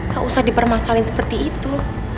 gak usah dipermasalin seperti itu